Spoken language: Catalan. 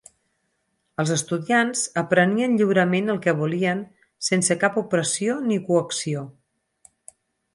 Els estudiants aprenien lliurement el que volien sense cap opressió ni coacció.